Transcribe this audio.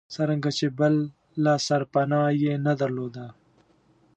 څرنګه چې بله سرپناه یې نه درلوده.